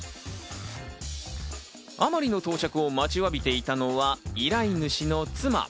甘利の到着を待ちわびていたのは依頼主の妻。